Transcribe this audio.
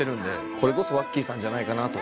これこそワッキーさんじゃないかなと。